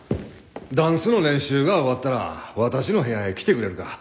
ダンスの練習が終わったら私の部屋へ来てくれるか？